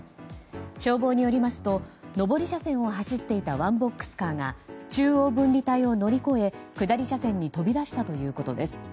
消防によりますと上り車線を走っていたワンボックスカーが中央分離帯を乗り越え下り車線に飛び出したということです。